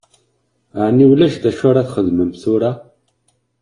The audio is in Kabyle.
Ɛni ulac d acu ara ad txedmem tura?